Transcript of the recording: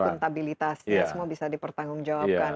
dan stabilitasnya semua bisa dipertanggung jawabkan